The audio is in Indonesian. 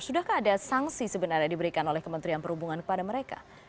sudahkah ada sanksi sebenarnya diberikan oleh kementerian perhubungan kepada mereka